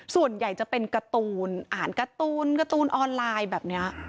ส่วนใหญ่จะเป็นการ์ตูนอ่านการ์ตูนการ์ตูนออนไลน์แบบนี้